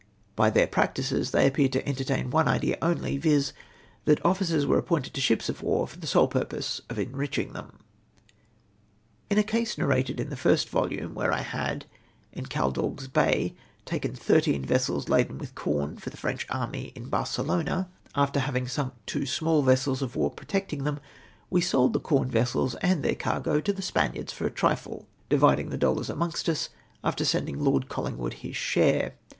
By their practices they appeared to entertain one idea only, viz. that officers were appointed to ships of war for the sole purpose of enriching them ! In a case narrated in the first volume, where I had, in Caldagues Bay, taken thirteen vessels laden with corn for the French army m Barcelona, after havmg K 4. 13G ROBBERIES BV PRIZE AGENTS. sunk two small sliips of war protecting tlieni — we sold the corn vessels and their cargo to the Spaniards for a triile, dividing tlie dollars amongst ns, after sendmg Lord Colhngwood his sliare.